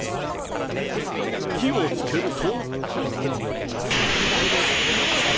火をつけると。